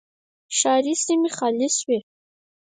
ښاري سیمې خالي شوې